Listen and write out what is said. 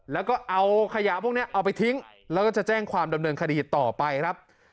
แล้วก็เอาขยะพวกนี้เอาไปทิ้งแล้วก็จะแจ้งความดำเนินคดีต่อไปครับ